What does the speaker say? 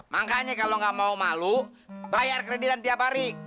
makanya kalo gak mau malu bayar kreditan tiap hari